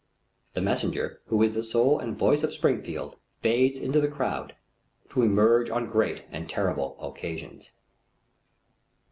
The messenger, who is the soul and voice of Springfield, fades into the crowd, to emerge on great and terrible occasions.